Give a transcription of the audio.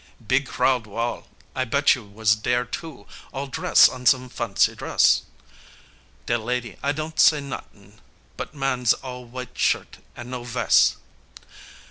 Beeg crowd, wall! I bet you was dere too, all dress on some fancy dress, De lady, I don't say not'ing, but man's all w'ite shirt an' no ves'.